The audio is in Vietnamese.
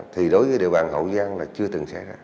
thì đối với địa bàn hậu giang là chưa từng xảy ra